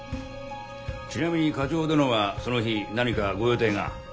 ちなみに課長殿はその日何かご予定が？